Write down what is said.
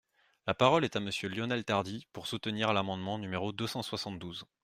La parole est à Monsieur Lionel Tardy, pour soutenir l’amendement numéro deux cent soixante-douze.